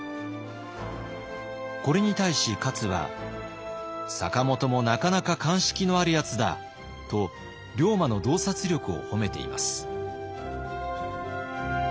これに対し勝は「坂本もなかなか鑑識のある奴だ」と龍馬の洞察力を褒めています。